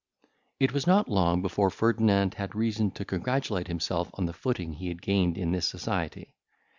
It was not long before Ferdinand had reason to congratulate himself on the footing he had gained in this society.